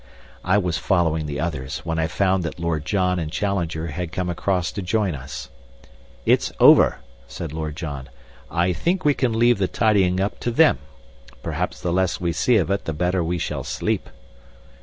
I was following the others, when I found that Lord John and Challenger had come across to join us. "It's over," said Lord John. "I think we can leave the tidying up to them. Perhaps the less we see of it the better we shall sleep."